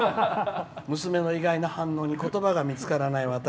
娘の意外な反応にことばが見つからない私。